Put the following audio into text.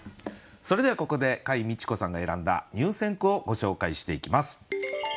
それではここで櫂未知子さんが選んだ入選句をご紹介していきます。